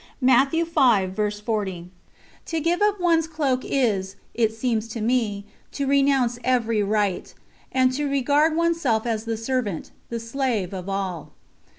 " To give up one's cloak is, it seems to me, to renounce every right, and to regard oneself as the servant, the slave, of all.